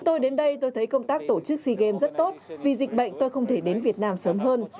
tôi đến đây tôi thấy công tác tổ chức sea games rất tốt vì dịch bệnh tôi không thể đến việt nam sớm hơn